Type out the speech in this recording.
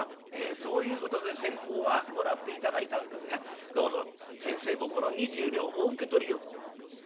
そういうことで先方はもらって頂いたんですがどうぞ先生もこの二十両お受け取りを」。